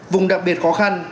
vùng đặc biệt khó khăn